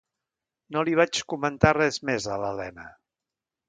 No li vaig comentar res més a l'Elena.